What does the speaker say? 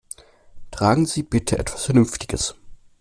Tragen Sie bitte etwas Vernünftiges!